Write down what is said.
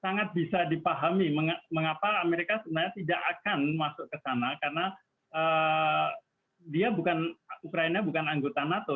sangat bisa dipahami mengapa amerika sebenarnya tidak akan masuk ke sana karena dia bukan ukraina bukan anggota nato